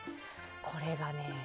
これはね。